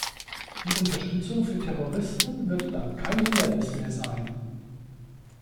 Die Unterstützung für Terroristen wird dann kein Hindernis mehr sein.